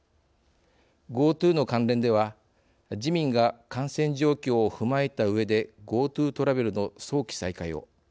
ＧｏＴｏの関連では自民が感染状況を踏まえたうえでＧｏＴｏトラベルの早期再開を。